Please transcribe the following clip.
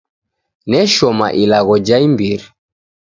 Neshoma ilagho ja imbiri.